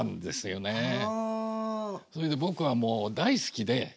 それで僕はもう大好きで。